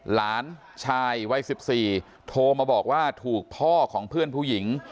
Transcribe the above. หลานชายวัย๑๔โทรมาบอกว่าถูกพ่อของเพื่อนผู้หญิง